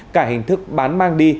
cả hình thức bán mang đi